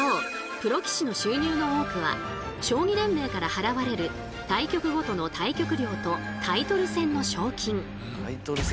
プロ棋士の収入の多くは将棋連盟から払われる対局ごとの対局料とタイトル戦の賞金。